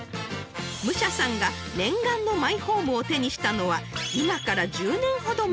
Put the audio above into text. ［武者さんが念願のマイホームを手にしたのは今から１０年ほど前。